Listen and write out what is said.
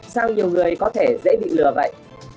sao nhiều người có thể dễ bị lừa vậy